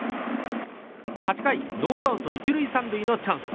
８回ノーアウト１塁３塁のチャンス。